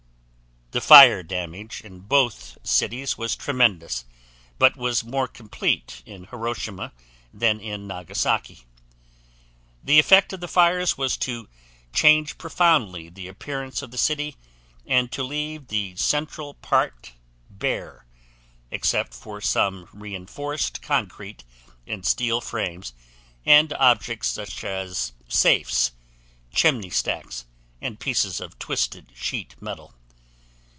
The fire damage in both cities was tremendous, but was more complete in Hiroshima than in Nagasaki. The effect of the fires was to change profoundly the appearance of the city and to leave the central part bare, except for some reinforced concrete and steel frames and objects such as safes, chimney stacks, and pieces of twisted sheet metal.